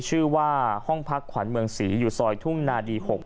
ชื่อว่าห้องพักขวัญเมืองศรีอยู่ซอยทุ่งนาดี๖